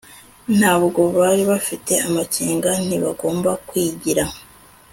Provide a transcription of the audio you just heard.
ntabwo bari bafite amakenga, ntibagomba kwigira